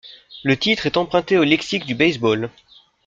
Le titre est emprunté au lexique du baseball.